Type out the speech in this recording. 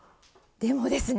でもですね